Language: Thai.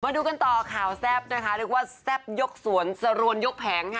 ดูกันต่อข่าวแซ่บนะคะเรียกว่าแซ่บยกสวนสรวนยกแผงค่ะ